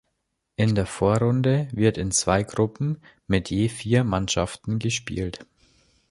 In der Vorrunde wird in zwei Gruppen mit je vier Mannschaften gespielt.